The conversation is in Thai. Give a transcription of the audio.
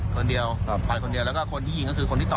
อ๋อเพราะยิงเสร็จปุ๊บออกไปยิงนอกอีก